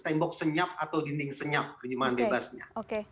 tembok senyap atau dinding senyap kenyimpangan bebasnya